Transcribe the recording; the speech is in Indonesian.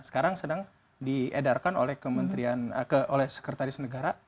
sekarang sedang diedarkan oleh sekretaris negara